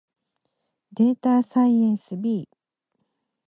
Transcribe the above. データサイエンス B